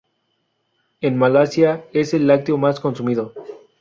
En Malasia es el lácteo más consumido.